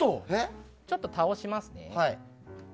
ちょっと倒しますね。